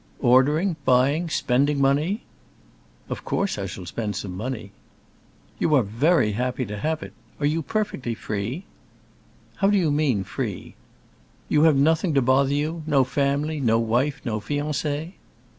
"Ordering, buying, spending money?" "Of course I shall spend some money." "You are very happy to have it. And you are perfectly free?" "How do you mean, free?" "You have nothing to bother you—no family, no wife, no fiancée?"